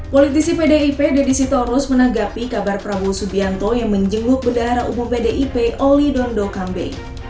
politisi pdip deddy sitorus menanggapi kabar prabowo subianto yang menjenguk bedahara umum pdip oli dondo kambe